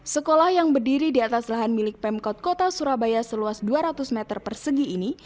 sekolah yang berdiri di atas lahan milik pemkot kota surabaya seluas dua ratus meter persegi ini